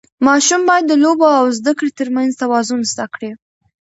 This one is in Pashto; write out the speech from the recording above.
ماشوم باید د لوبو او زده کړې ترمنځ توازن زده کړي.